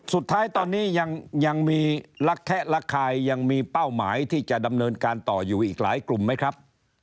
สุดท้ายตอนนี้ยังมีลักแคะระคายยังมีเป้าหมายที่จะดำเนินการต่ออยู่อีกหลายกลุ่มไหมครับ